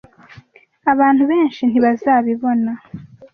Abantu benshi ntibazabibona.